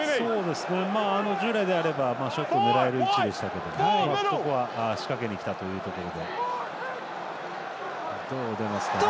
従来であればショット狙える位置でしたけどここは仕掛けにきたというところ。